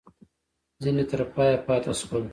ځیني تر پایه پاته شول.